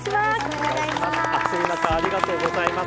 暑い中、ありがとうございます。